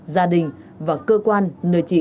gia đình và cơ quan nơi chị